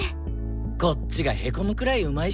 こっちがへこむくらいうまいし。